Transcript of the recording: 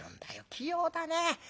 器用だねえ。